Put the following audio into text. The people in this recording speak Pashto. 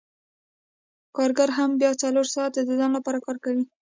کارګر بیا هم څلور ساعته د ځان لپاره کار کوي